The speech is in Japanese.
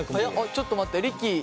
ちょっと待ってリッキー。